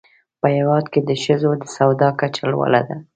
په هېواد کې د ښځو د سواد کچه لوړه ده.